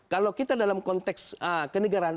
kalau kita dalam konteks kenegaraan